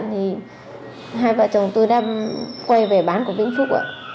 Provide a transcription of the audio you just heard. thì hai vợ chồng tôi đang quay về bán của vĩnh phúc ạ